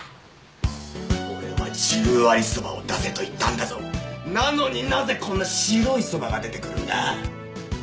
俺は十割そばを出せと言ったんだぞなのになぜこんな白いそばが出てくるんだ⁉